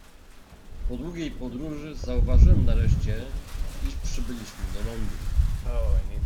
"Po długiej podróży zauważyłem nareszcie, iż przybiliśmy do lądu."